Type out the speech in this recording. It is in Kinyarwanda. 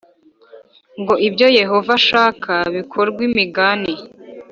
ngo ibyo Yehova ashaka bikorwe Imigani